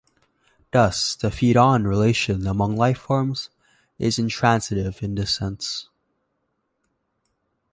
Thus, the "feed on" relation among life forms is intransitive, in this sense.